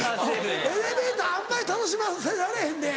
エレベーターあんまり楽しませられへんで。